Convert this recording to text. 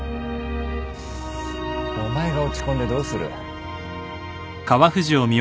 お前が落ち込んでどうする。